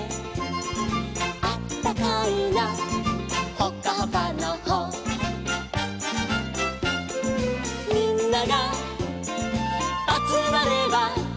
「ほっかほかのほ」「みんながあつまれば」